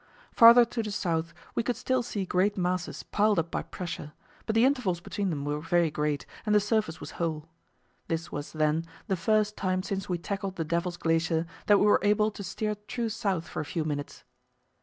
Farther to the south we could still see great masses piled up by pressure, but the intervals between them were very great and the surface was whole. This was, then, the first time since we tackled the Devil's Glacier that we were able to steer true south for a few minutes.